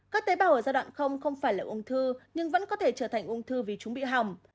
các tế bào ở giai đoạn không phải là ung thư nhưng vẫn có thể trở thành ung thư vì chúng bị hỏng